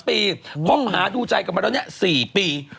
๑๓ปีเพราะพาดูใจกลับมาแล้วนี่๔ปี